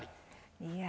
いや。